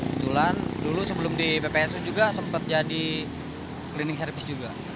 kebetulan dulu sebelum di ppsu juga sempat jadi cleaning service juga